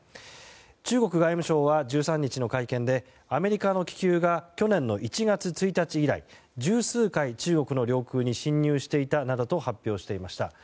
中国外務省は１３日の会見でアメリカの気球が去年の１月１日以来十数回、中国の領空に侵入していたなどと発表していました。